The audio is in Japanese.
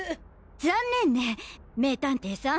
残念ね名探偵さん。